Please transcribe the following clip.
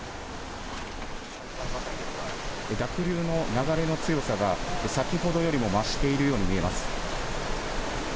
濁流の流れの強さが、先ほどよりも増しているように見えます。